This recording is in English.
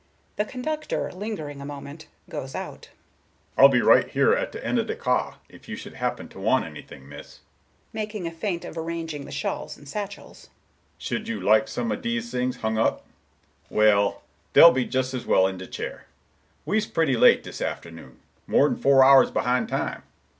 The conductor, lingering a moment, goes out. Porter: "I'll be right here, at de end of de cah, if you should happen to want anything, miss,"—making a feint of arranging the shawls and satchels. "Should you like some dese things hung up? Well, dey'll be jus' as well in de chair. We's pretty late dis afternoon; more'n four hours behin' time.